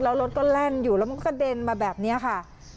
แล้วรถก็แล่นอยู่แล้วมันก็กระเด็นมาแบบนี้ค่ะ